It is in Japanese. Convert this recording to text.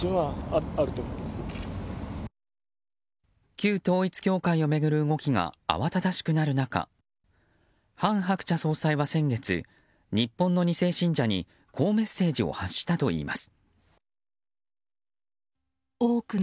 旧統一教会を巡る動きが慌ただしくなる中韓鶴子総裁は先月日本の２世信者にこうメッセージを発したといいます。